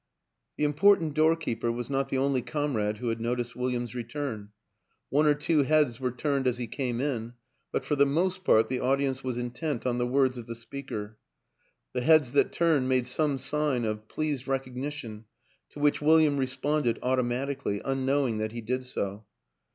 The important doorkeeper was not the only comrade who had noticed William's return: one or two heads were turned as he came in, but for the most part the audience was intent on the words of the speaker. The heads that turned made some sign of pleased recognition to which William responded automatically, unknowing that he did so.